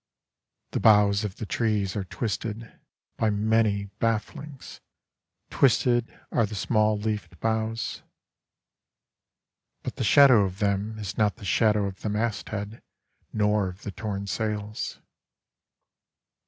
The boughs of the treesAre twistedBy many bafflings; Twisted areThe small leafed boughs. But the shadow of themIs not the shadow of the mast headNor of the torn sails.